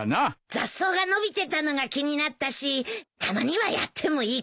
雑草が伸びてたのが気になったしたまにはやってもいいかなと思って。